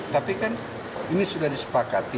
tapi kan ini sudah disepakati